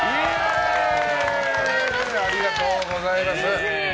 ありがとうございます。